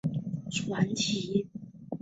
他因为玄宗作祭祀词而得圣宠。